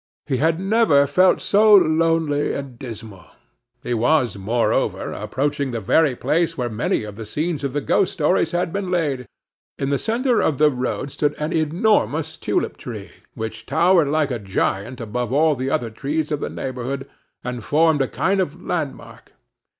He had never felt so lonely and dismal. He was, moreover, approaching the very place where many of the scenes of the ghost stories had been laid. In the centre of the road stood an enormous tulip tree, which towered like a giant above all the other trees of the neighborhood, and formed a kind of landmark.